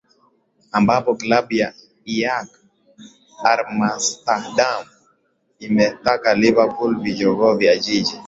ambapo klabu ya iyak armsterdam imeitaka liverpool vijogoo vya jiji